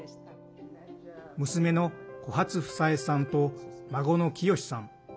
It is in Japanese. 娘の小波津房江さんと孫の清さん。